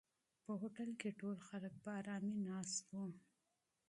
په هوټل کې ټول خلک په آرامۍ ناست وو.